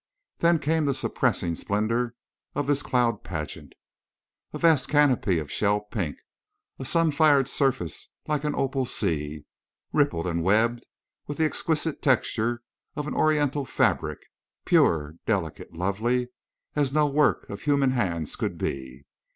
Then came the surpassing splendor of this cloud pageant—a vast canopy of shell pink, a sun fired surface like an opal sea, rippled and webbed, with the exquisite texture of an Oriental fabric, pure, delicate, lovely—as no work of human hands could be.